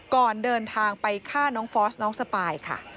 ก่อนเดินทางไปฆ่าน้องฟอสน้องสปายค่ะ